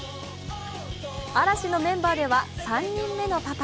嵐のメンバーでは３人目のパパ。